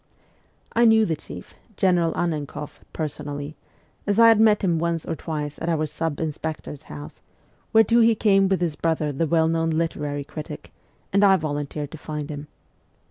I knew the chief, General Annenkoff, personally, as I SIBERIA 187 had met him once or twice at our sub inspector's house > whereto he came with his brother the well known literary critic, and I volunteered to find him.